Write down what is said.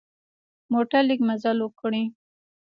موټر لږ مزل وکړي.